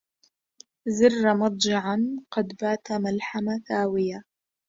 زر مضجعا قد بات ملحم ثاويا